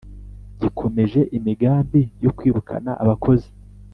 Gikomeje imigambi yo kwirukana abakozi